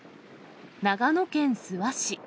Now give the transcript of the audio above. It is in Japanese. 長野県諏訪市。